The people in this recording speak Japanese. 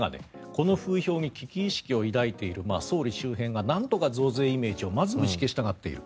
この風評に危機意識を抱いている総理周辺がなんとか増税イメージを払しょくしたがっている。